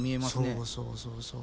そうそうそうそう。